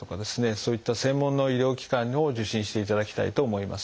そういった専門の医療機関を受診していただきたいと思います。